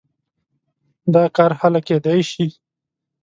دا کار هله کېدای شي.